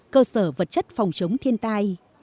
cơ sở vật chất phòng chống thiên tai